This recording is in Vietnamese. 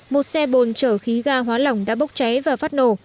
một xe bồn chở khí ga hóa lỏng đã bốc cháy và phát nổ